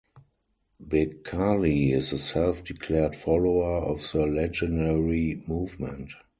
Becali is a self-declared follower of the Legionary Movement.